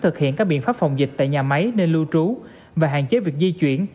thực hiện các biện pháp phòng dịch tại nhà máy nơi lưu trú và hạn chế việc di chuyển